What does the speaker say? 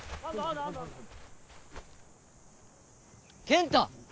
健太！